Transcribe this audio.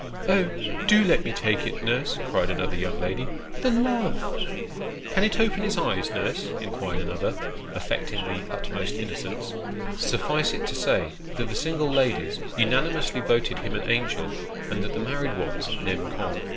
" Oh ! do let me take it, nurse," cried another young lady. " The love !"" Can it open its eyes, nurse ?" inquired another, affecting the utmost innocence. Suffice it to say, that the single ladies unanimously voted him an angel, and that the married ones, nem. con.